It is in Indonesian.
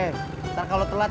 ntar kalau telat